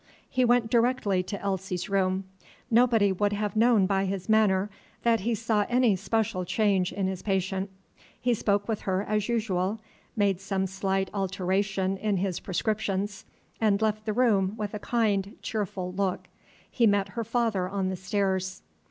He went directly to Elsie's room. Nobody would have known by his manner that he saw any special change in his patient. He spoke with her as usual, made some slight alteration in his prescriptions, and left the room with a kind, cheerful look. He met her father on the stairs.